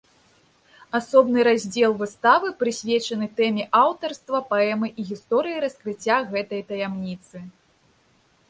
Асобны раздзел выставы прысвечаны тэме аўтарства паэмы і гісторыі раскрыцця гэтай таямніцы.